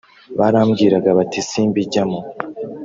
barambwiraga bati ‘Simbi jyamo